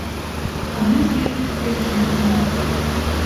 Адны з першых кветак вясны.